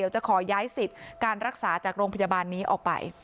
จะขอย้ายสิทธิ์การรักษาจากโรงพยาบาลนี้ออกไป